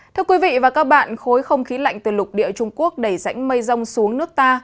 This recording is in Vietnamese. thưa quý vị và các bạn khối không khí lạnh từ lục địa trung quốc đẩy rãnh mây rông xuống nước ta